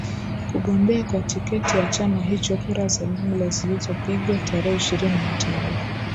kugombea kwa tiketi ya chama hicho Kura za jumla zilizopigwa tarehe ishirini na tano